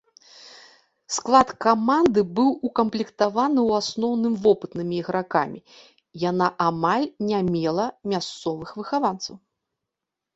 Склад каманды быў укамплектаваны ў асноўным вопытнымі ігракамі, яна амаль не мела мясцовых выхаванцаў.